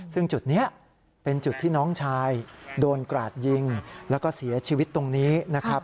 ซึ่งจุดนี้เป็นจุดที่น้องชายโดนกราดยิงแล้วก็เสียชีวิตตรงนี้นะครับ